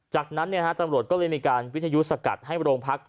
จากนั้นตำรวจก็เลยมีการวิทยุสกัดให้โรงพัก